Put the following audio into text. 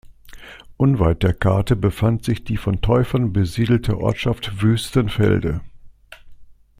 Unweit der Kate befand sich die von Täufern besiedelte Ortschaft Wüstenfelde.